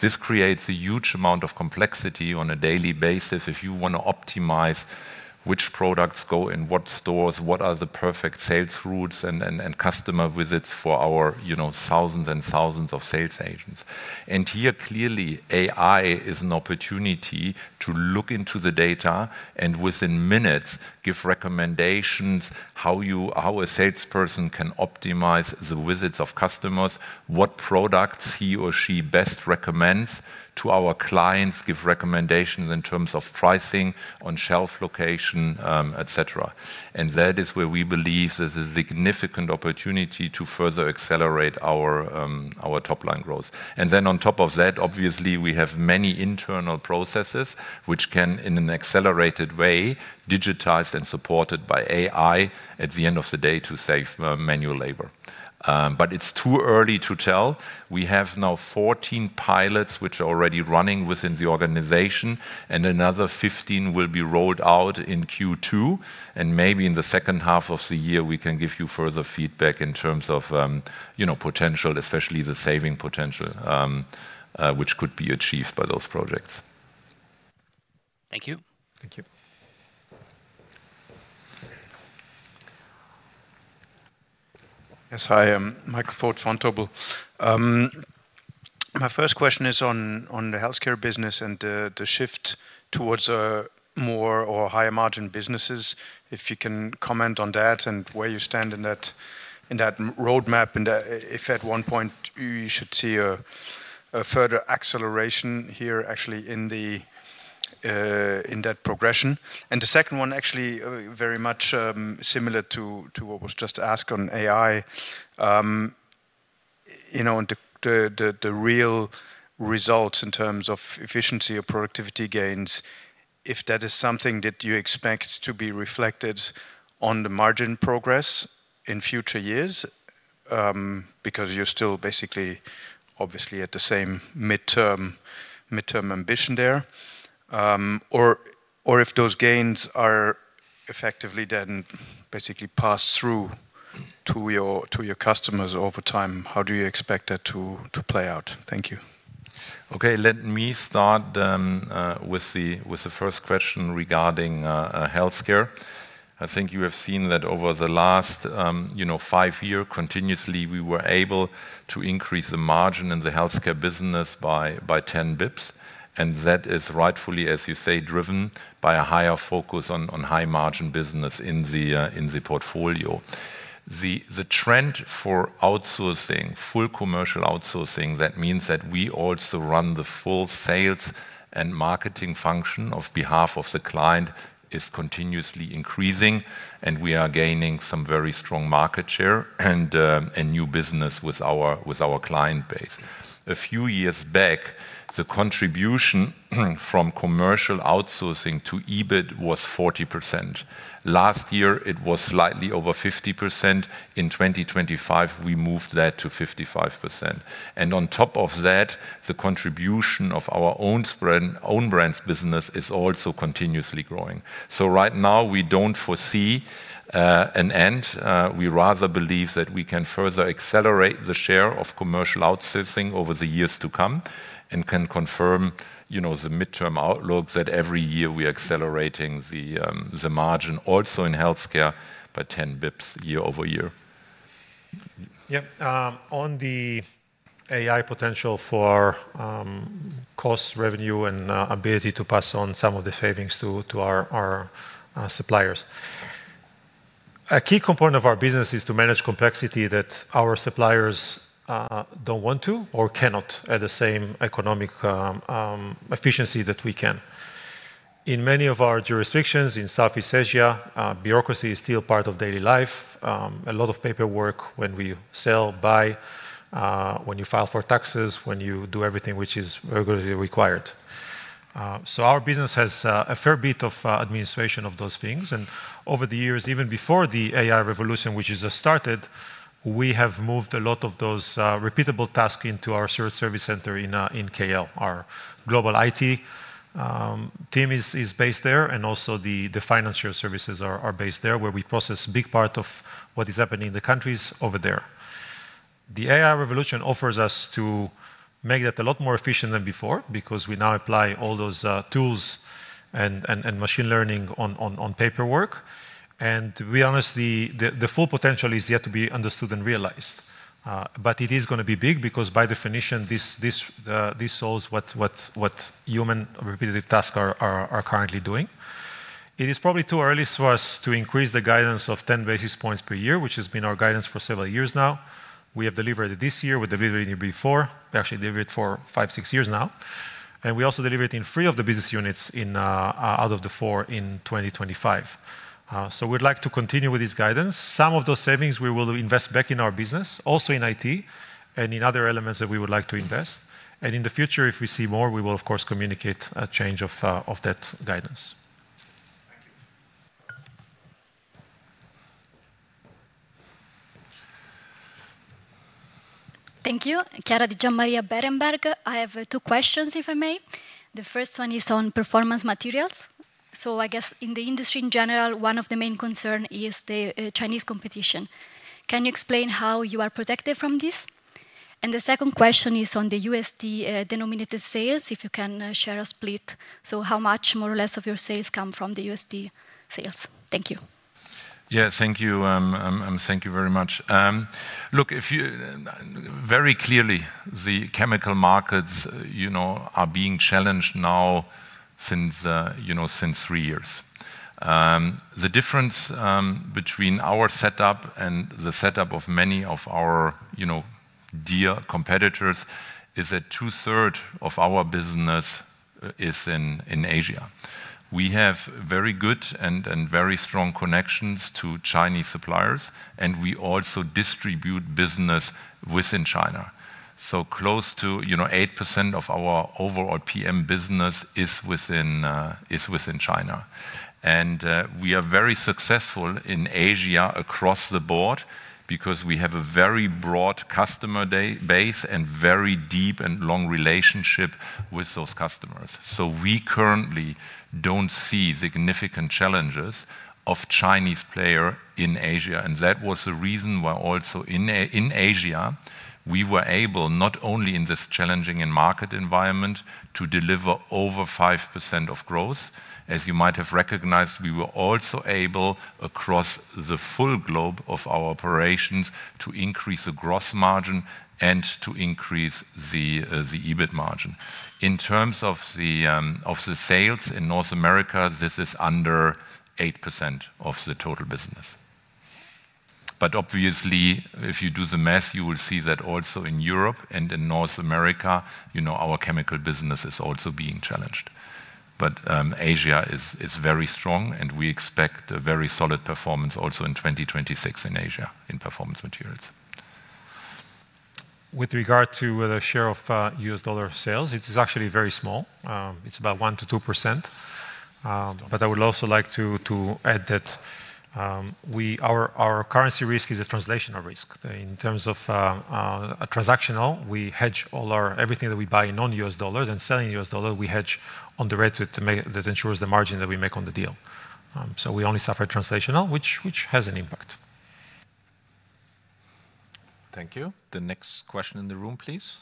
This creates a huge amount of complexity on a daily basis if you wanna optimize which products go in what stores, what are the perfect sales routes and customer visits for our, you know, thousands and thousands of sales agents. And here, clearly, AI is an opportunity to look into the data and within minutes, give recommendations how a salesperson can optimize the visits of customers, what products he or she best recommends to our clients, give recommendations in terms of pricing, on shelf location, et cetera. And that is where we believe there's a significant opportunity to further accelerate our, our top-line growth. And then on top of that, obviously, we have many internal processes which can, in an accelerated way, digitized and supported by AI at the end of the day to save, manual labor. But it's too early to tell. We have now 14 pilots, which are already running within the organization, and another 15 will be rolled out in Q2, and maybe in the second half of the year, we can give you further feedback in terms of, you know, potential, especially the saving potential, which could be achieved by those projects. Thank you. Thank you. Yes, hi, Mike Foeth, Vontobel. My first question is on the Healthcare business and the shift towards a more or higher margin businesses, if you can comment on that and where you stand in that roadmap, and if at one point you should see a further acceleration here, actually in that progression. And the second one, actually, very much similar to what was just asked on AI, you know, and the real results in terms of efficiency or productivity gains, if that is something that you expect to be reflected on the margin progress in future years, because you're still basically, obviously, at the same midterm ambition there. Or if those gains are effectively then basically passed through to your customers over time, how do you expect that to play out? Thank you. Okay, let me start with the first question regarding Healthcare. I think you have seen that over the last, you know, five year, continuously, we were able to increase the margin in the Healthcare business by 10 basis points. And that is rightfully, as you say, driven by a higher focus on high-margin business in the portfolio. The trend for outsourcing, full commercial outsourcing, that means that we also run the full sales and marketing function on behalf of the client, is continuously increasing, and we are gaining some very strong market share and new business with our client base. A few years back, the contribution from commercial outsourcing to EBIT was 40%. Last year, it was slightly over 50%. In 2025, we moved that to 55%. On top of that, the contribution of our Own Brand, Own Brands business is also continuously growing. So right now, we don't foresee an end. We rather believe that we can further accelerate the share of commercial outsourcing over the years to come and can confirm, you know, the midterm outlook that every year we are accelerating the margin also in Healthcare by ten bips year-over-year. Yep. On the AI potential for cost, revenue, and ability to pass on some of the savings to our suppliers. A key component of our business is to manage complexity that our suppliers don't want to or cannot at the same economic efficiency that we can. In many of our jurisdictions in Southeast Asia, bureaucracy is still part of daily life. A lot of paperwork when we sell, buy, when you file for taxes, when you do everything which is regularly required. So our business has a fair bit of administration of those things, and over the years, even before the AI revolution, which has just started, we have moved a lot of those repeatable tasks into our shared service center in KL. Our global IT team is based there, and also the financial services are based there, where we process a big part of what is happening in the countries over there. The AI revolution offers us to make that a lot more efficient than before because we now apply all those tools and machine learning on paperwork. And we honestly... The full potential is yet to be understood and realized. But it is gonna be big because, by definition, this solves what human repetitive tasks are currently doing. It is probably too early for us to increase the guidance of ten basis points per year, which has been our guidance for several years now. We have delivered it this year. We delivered it before. We actually delivered it for 5, 6 years now, and we also delivered it in 3 of the business units out of the 4 in 2025. So we'd like to continue with this guidance. Some of those savings, we will invest back in our business, also in IT and in other elements that we would like to invest. In the future, if we see more, we will, of course, communicate a change of that guidance. Thank you. Thank you. Chiara Di Giammaria, Berenberg. I have, two questions, if I may. The first one is on Performance Materials. So I guess in the industry in general, one of the main concern is the, Chinese competition. Can you explain how you are protected from this? And the second question is on the USD, denominated sales, if you can, share a split. So how much, more or less, of your sales come from the USD sales? Thank you. Yeah, thank you, and thank you very much. Look, if you... Very clearly, the chemical markets, you know, are being challenged now since, you know, since three years. The difference between our setup and the setup of many of our, you know, dear competitors is that two-thirds of our business is in Asia. We have very good and very strong connections to Chinese suppliers, and we also distribute business within China. So close to, you know, 8% of our overall PM business is within China. And we are very successful in Asia across the board because we have a very broad customer database and very deep and long relationship with those customers. So we currently don't see significant challenges of Chinese player in Asia, and that was the reason why also in Asia, we were able, not only in this challenging and market environment, to deliver over 5% of growth. As you might have recognized, we were also able, across the full globe of our operations, to increase the gross margin and to increase the EBIT margin. In terms of the sales in North America, this is under 8% of the total business. But obviously, if you do the math, you will see that also in Europe and in North America, you know, our chemical business is also being challenged.... But, Asia is very strong, and we expect a very solid performance also in 2026 in Asia, in Performance Materials. With regard to the share of U.S. dollar sales, it is actually very small. It's about 1%-2%. But I would also like to add that our currency risk is a translational risk. In terms of transactional, we hedge everything that we buy in non-U.S. dollars and sell in U.S. dollar, we hedge on the rate to make that ensures the margin that we make on the deal. So we only suffer translational, which has an impact. Thank you. The next question in the room, please.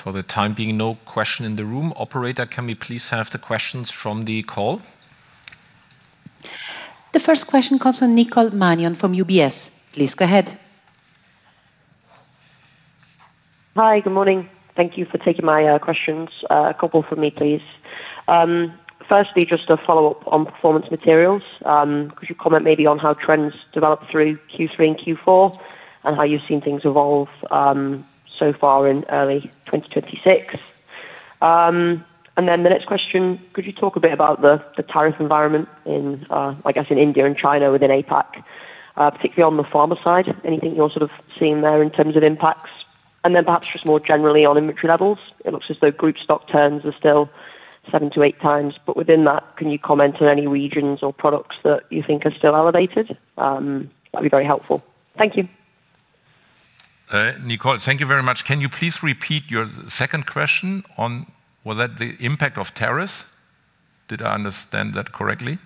For the time being, no question in the room. Operator, can we please have the questions from the call? The first question comes from Nicole Manion from UBS. Please go ahead. Hi, good morning. Thank you for taking my questions. A couple from me, please. Firstly, just to follow up on Performance Materials, could you comment maybe on how trends developed through Q3 and Q4, and how you've seen things evolve, so far in early 2026? And then the next question: could you talk a bit about the tariff environment in, I guess, in India and China within APAC, particularly on the pharma side? Anything you're sort of seeing there in terms of impacts. And then perhaps just more generally on inventory levels. It looks as though group stock turns are still 7-8 times, but within that, can you comment on any regions or products that you think are still elevated? That'd be very helpful. Thank you. Nicole, thank you very much. Can you please repeat your second question on... Was that the impact of tariffs? Did I understand that correctly?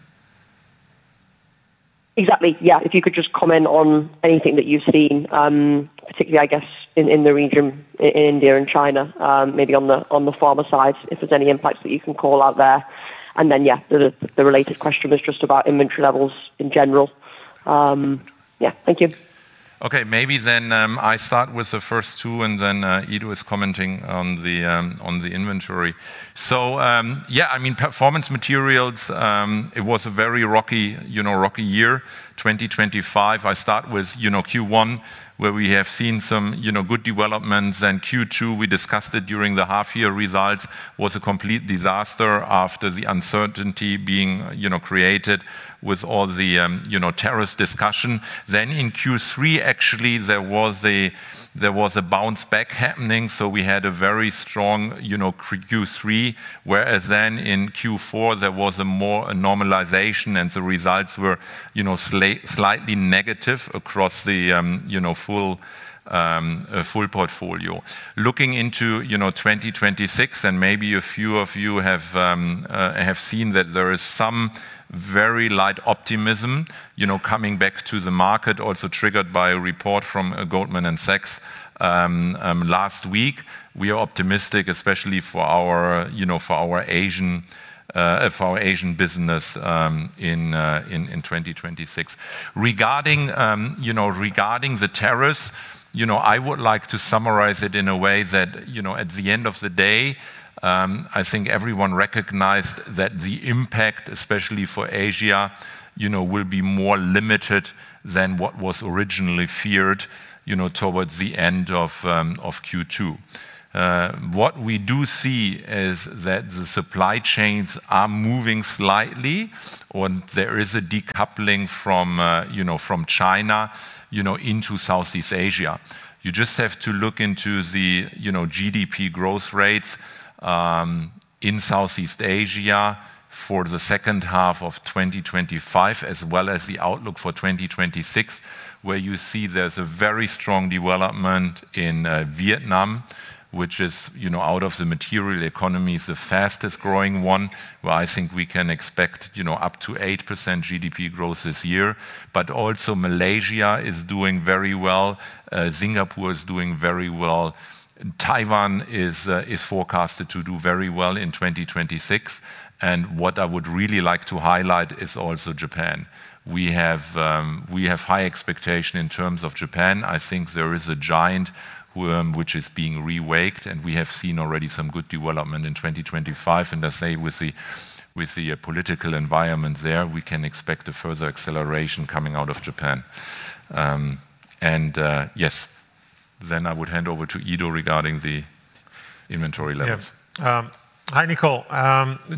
Exactly. Yeah. If you could just comment on anything that you've seen, particularly, I guess, in the region, in India and China, maybe on the pharma side, if there's any impacts that you can call out there. And then, the related question is just about inventory levels in general. Thank you. Okay. Maybe then, I start with the first two, and then, Ido is commenting on the, on the inventory. So, yeah, I mean, Performance Materials, it was a very rocky, you know, rocky year, 2025. I start with, you know, Q1, where we have seen some, you know, good developments. Then Q2, we discussed it during the half-year results, was a complete disaster after the uncertainty being, you know, created with all the, you know, tariff discussion. Then in Q3, actually, there was a bounce back happening, so we had a very strong, you know, Q3. Whereas then in Q4, there was more a normalization, and the results were, you know, slightly negative across the, you know, full portfolio. Looking into, you know, 2026, and maybe a few of you have seen that there is some very light optimism, you know, coming back to the market, also triggered by a report from Goldman Sachs last week. We are optimistic, especially for our, you know, for our Asian business in 2026. Regarding the tariffs, you know, I would like to summarize it in a way that, you know, at the end of the day, I think everyone recognized that the impact, especially for Asia, you know, will be more limited than what was originally feared, you know, towards the end of Q2. What we do see is that the supply chains are moving slightly, and there is a decoupling from, you know, from China, you know, into Southeast Asia. You just have to look into the, you know, GDP growth rates, in Southeast Asia for the second half of 2025, as well as the outlook for 2026, where you see there's a very strong development in, Vietnam, which is, you know, out of the material economies, the fastest-growing one, where I think we can expect, you know, up to 8% GDP growth this year. But also Malaysia is doing very well, Singapore is doing very well, and Taiwan is forecasted to do very well in 2026. And what I would really like to highlight is also Japan. We have high expectation in terms of Japan. I think there is a giant worm which is being reawakened, and we have seen already some good development in 2025. And I say with the political environment there, we can expect a further acceleration coming out of Japan. And yes, then I would hand over to Ido regarding the inventory levels. Yeah. Hi, Nicole.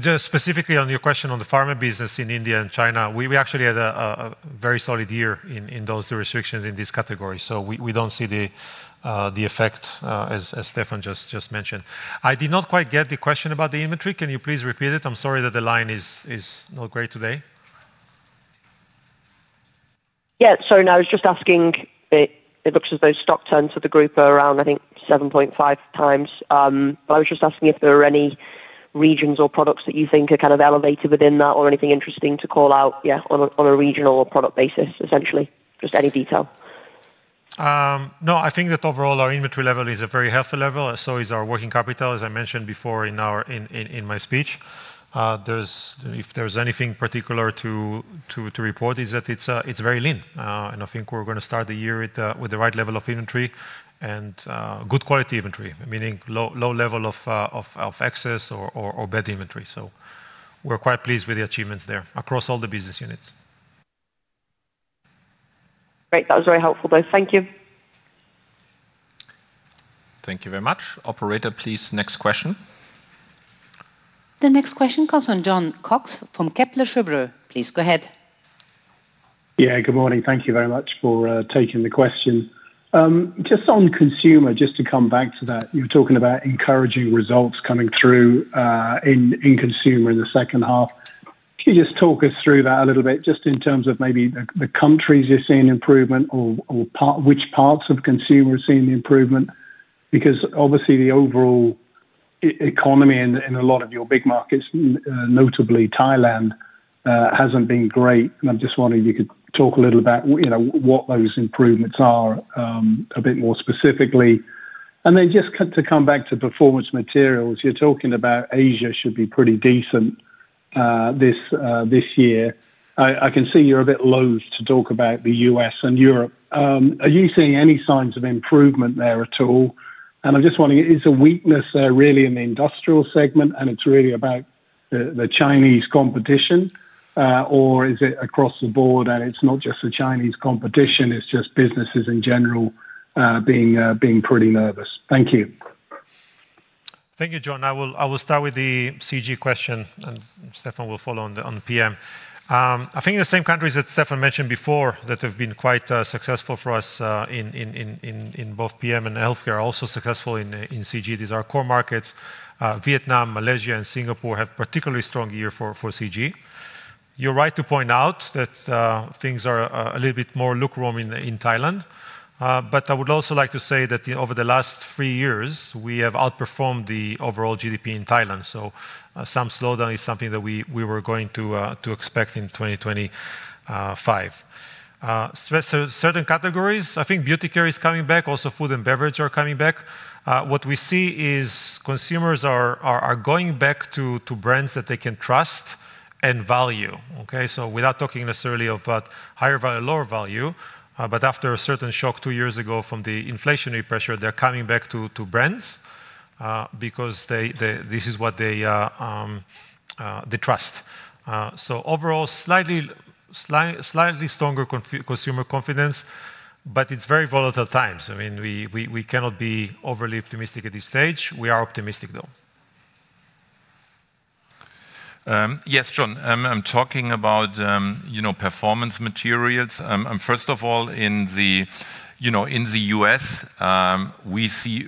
Just specifically on your question on the pharma business in India and China, we actually had a very solid year in those restrictions in this category, so we don't see the effect as Stefan just mentioned. I did not quite get the question about the inventory. Can you please repeat it? I'm sorry that the line is not great today. Yeah. Sorry. I was just asking, it looks as though stock turns for the group are around, I think, 7.5 times. But I was just asking if there are any regions or products that you think are kind of elevated within that or anything interesting to call out, yeah, on a regional or product basis, essentially. Just any detail. No, I think that overall, our inventory level is a very healthy level, so is our working capital, as I mentioned before in my speech. There is, if there's anything particular to report, that it's very lean. And I think we're gonna start the year with the right level of inventory and good quality inventory, meaning low level of excess or bad inventory. So we're quite pleased with the achievements there across all the business units. Great. That was very helpful, though. Thank you. Thank you very much. Operator, please, next question. The next question comes from Jon Cox from Kepler Cheuvreux. Please go ahead. Yeah, good morning. Thank you very much for taking the question. Just on Consumer, just to come back to that, you were talking about encouraging results coming through in Consumer in the second half. Can you just talk us through that a little bit, just in terms of maybe the countries you're seeing improvement or which parts of Consumer are seeing the improvement? Because obviously, the overall economy in a lot of your big markets, notably Thailand, hasn't been great, and I'm just wondering if you could talk a little about you know, what those improvements are, a bit more specifically. And then just to come back to Performance Materials, you're talking about Asia should be pretty decent this year. I can see you're a bit loath to talk about the U.S. and Europe. Are you seeing any signs of improvement there at all? And I'm just wondering, is the weakness there really in the industrial segment, and it's really about the Chinese competition, or is it across the board, and it's not just the Chinese competition, it's just businesses in general being pretty nervous? Thank you. Thank you, Jon. I will start with the CG question, and Stefan will follow on the PM. I think the same countries that Stefan mentioned before that have been quite successful for us in both PM and Healthcare are also successful in CG. These are our core markets. Vietnam, Malaysia, and Singapore had particularly strong year for CG. You're right to point out that things are a little bit more lukewarm in Thailand. But I would also like to say that over the last three years, we have outperformed the overall GDP in Thailand, so some slowdown is something that we were going to expect in 2025. So certain categories, I think beauty care is coming back. Also, food and beverage are coming back. What we see is consumers are going back to brands that they can trust and value, okay? So without talking necessarily of higher value, lower value, but after a certain shock two years ago from the inflationary pressure, they're coming back to brands because they. This is what they trust. So overall, slightly stronger consumer confidence, but it's very volatile times. I mean, we cannot be overly optimistic at this stage. We are optimistic, though. Yes, Jon, I'm talking about, you know, Performance Materials. And first of all, in the, you know, in the U.S., we see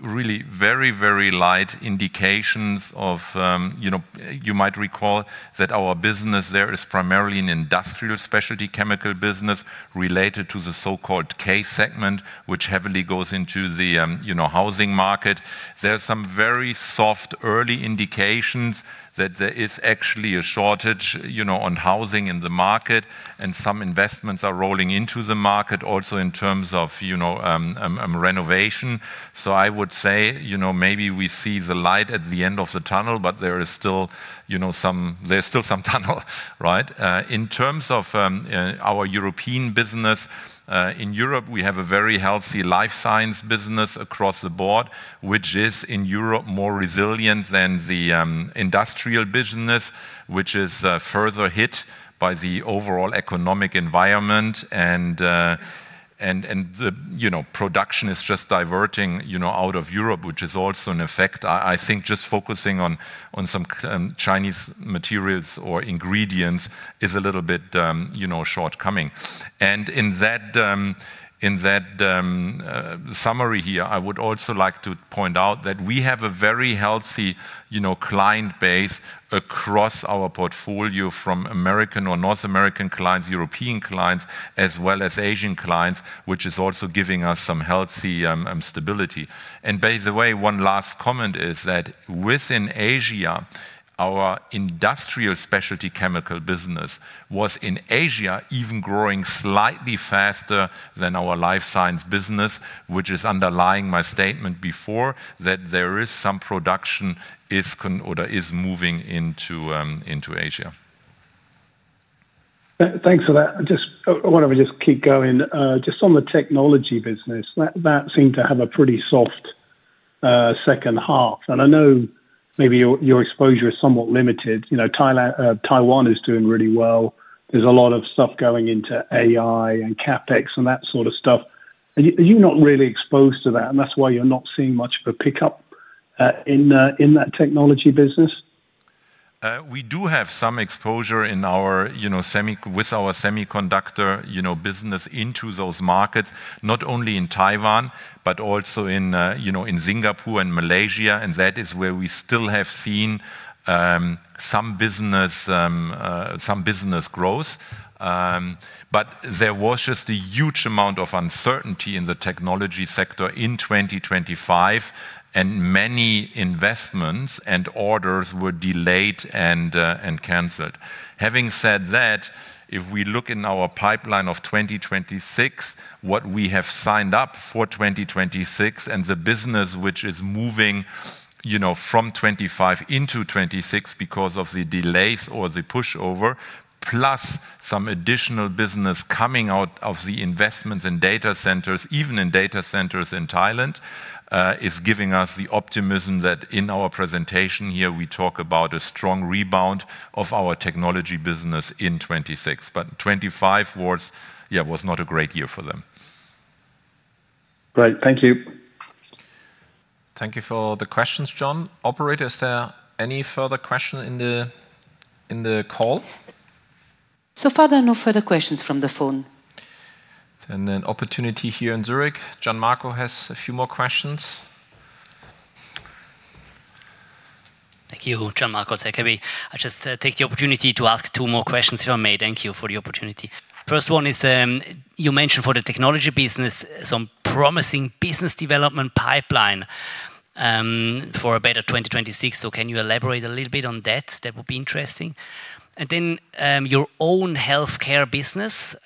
really very, very light indications of, you know... You might recall that our business there is primarily an industrial specialty chemical business related to the so-called CASE segment, which heavily goes into the, you know, housing market. There are some very soft early indications that there is actually a shortage, you know, on housing in the market, and some investments are rolling into the market also in terms of, you know, renovation. So I would say, you know, maybe we see the light at the end of the tunnel, but there is still, you know, there's still some tunnel, right? In terms of our European business, in Europe, we have a very healthy Life Science business across the board, which is, in Europe, more resilient than the industrial business, which is further hit by the overall economic environment and the, you know, production is just diverting, you know, out of Europe, which is also an effect. I think just focusing on some Chinese materials or ingredients is a little bit, you know, shortcoming. And in that summary here, I would also like to point out that we have a very healthy, you know, client base across our portfolio from American or North American clients, European clients, as well as Asian clients, which is also giving us some healthy stability. And by the way, one last comment is that within Asia, our industrial specialty chemical business was, in Asia, even growing slightly faster than our Life Science business, which is underlying my statement before, that there is some production is or is moving into, into Asia. Thanks for that. Just, why don't we just keep going? Just on the Technology business, that seemed to have a pretty soft second half, and I know maybe your exposure is somewhat limited. You know, Taiwan is doing really well. There's a lot of stuff going into AI and CapEx and that sort of stuff. Are you not really exposed to that, and that's why you're not seeing much of a pickup in that Technology business? We do have some exposure in our, you know, with our semiconductor, you know, business into those markets, not only in Taiwan, but also in, you know, in Singapore and Malaysia, and that is where we still have seen, some business, some business growth. But there was just a huge amount of uncertainty in the technology sector in 2025, and many investments and orders were delayed and, and canceled. Having said that, if we look in our pipeline of 2026, what we have signed up for 2026 and the business which is moving, you know, from 2025 into 2026 because of the delays or the push over, plus some additional business coming out of the investments in data centers, even in data centers in Thailand, is giving us the optimism that in our presentation here, we talk about a strong rebound of our Technology business in 2026. But 2025 was, yeah, was not a great year for them. Great. Thank you. Thank you for the questions, Jon. Operator, is there any further question in the call? So far, there are no further questions from the phone. Then an opportunity here in Zurich. Gian Marco has a few more questions. Thank you. Gian Marco Sacchetti. I just take the opportunity to ask two more questions, if I may. Thank you for the opportunity. First one is, you mentioned for the Technology business, some promising business development pipeline, for a better 2026. So can you elaborate a little bit on that? That would be interesting. And then, your own Healthcare business,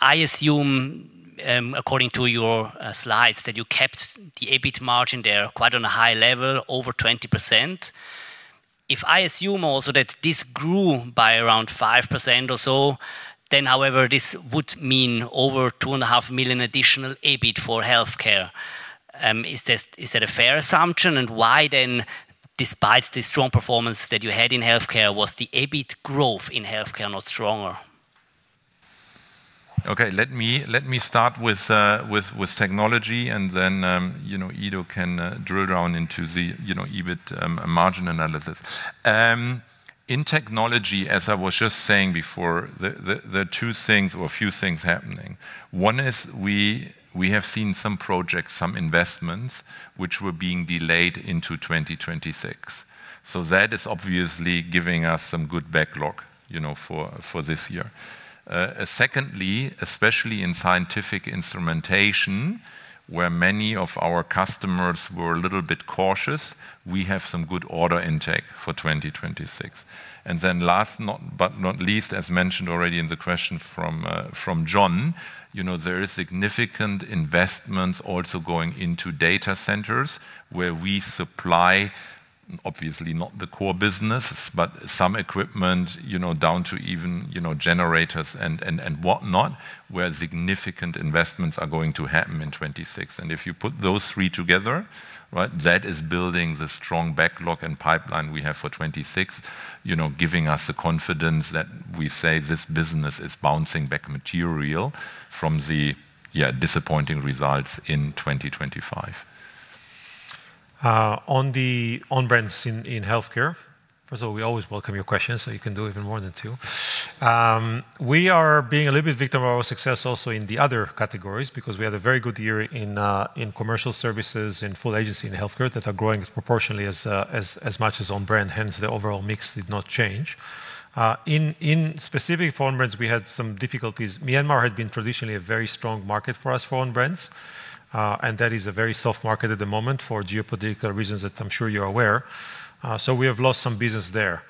I assume, according to your, slides, that you kept the EBIT margin there quite on a high level, over 20%. If I assume also that this grew by around 5% or so, then however, this would mean over 2.5 million additional EBIT for Healthcare. Is this, is that a fair assumption? And why then, despite the strong performance that you had in Healthcare, was the EBIT growth in Healthcare not stronger? Okay. Let me start with Technology, and then, you know, Ido can drill down into the, you know, EBIT margin analysis. In Technology, as I was just saying before, there are two things or a few things happening. One is we have seen some projects, some investments, which were being delayed into 2026. So that is obviously giving us some good backlog, you know, for this year. Secondly, especially in scientific instrumentation, where many of our customers were a little bit cautious, we have some good order intake for 2026. And then last, not but not least, as mentioned already in the question from Jon, you know, there is significant investments also going into data centers, where we supply, obviously, not the core business, but some equipment, you know, down to even, you know, generators and, and, and whatnot, where significant investments are going to happen in 2026. And if you put those three together, right, that is building the strong backlog and pipeline we have for 2026, you know, giving us the confidence that we say this business is bouncing back material from the, yeah, disappointing results in 2025. On the Own Brands in Healthcare, first of all, we always welcome your questions, so you can do even more than two. We are being a little bit victim of our success also in the other categories because we had a very good year in Commercial Services, in Full Agency, in Healthcare, that are growing proportionately as much as Own Brand, hence, the overall mix did not change. In specific for Own Brands, we had some difficulties. Myanmar had been traditionally a very strong market for us, for Own Brands, and that is a very soft market at the moment for geopolitical reasons that I'm sure you're aware. So we have lost some business there.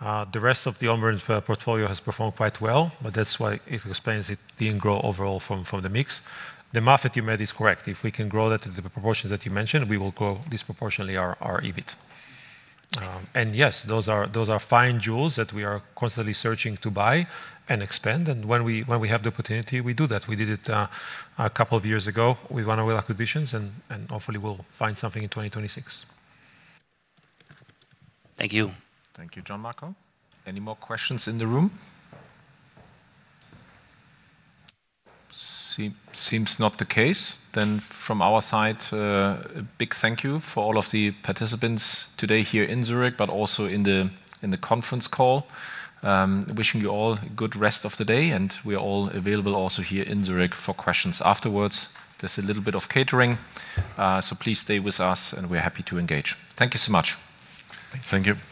The rest of the Own Brands portfolio has performed quite well, but that's why it explains it didn't grow overall from the mix. The math that you made is correct. If we can grow that to the proportions that you mentioned, we will grow disproportionately our EBIT. And yes, those are fine jewels that we are constantly searching to buy and expand. And when we have the opportunity, we do that. We did it a couple of years ago with one of our acquisitions, and hopefully we'll find something in 2026. Thank you. Thank you, Gian Marco. Any more questions in the room? Seems not the case. Then from our side, a big thank you for all of the participants today here in Zurich, but also in the, in the conference call. Wishing you all a good rest of the day, and we are all available also here in Zurich for questions afterwards. There's a little bit of catering, so please stay with us, and we're happy to engage. Thank you so much. Thank you.